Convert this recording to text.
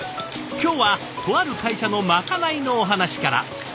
今日はとある会社のまかないのお話から。